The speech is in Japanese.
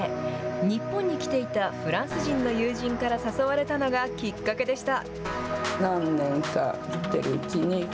日本に来ていたフランス人の友人から誘われたのがきっかけでした。